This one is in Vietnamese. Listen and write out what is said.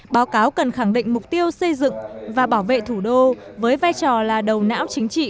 báo cáo cần khẳng định mục tiêu xây dựng và bảo vệ thủ đô với vai trò là đầu não chính trị